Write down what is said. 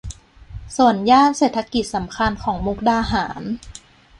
ส่วนย่านเศรษฐกิจสำคัญของมุกดาหาร